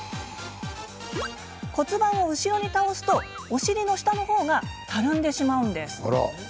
骨盤を後ろに倒すとお尻の下の方がたるんでしまうのです。